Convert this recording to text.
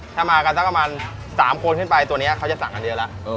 ถ้ามาก็จะเป็นประมาณ๓คนขึ้นไปตัวนี้เขาจะสั่งอันเดือนละ